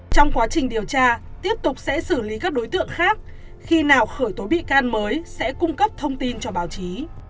trong quá trình điều tra tiếp tục sẽ xử lý các đối tượng khác khi nào khởi tố bị can mới sẽ cung cấp thông tin cho báo chí